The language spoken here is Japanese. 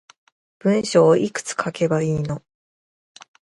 文章いくつ書けばいいの